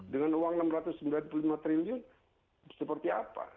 dengan uang rp enam ratus sembilan puluh lima triliun seperti apa